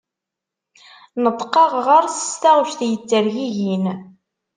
Neṭqeɣ ɣer-s s taɣect yettergigin.